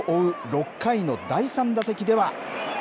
６回の第３打席では。